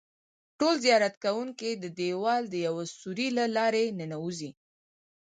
ټول زیارت کوونکي د دیوال د یوه سوري له لارې ننوځي.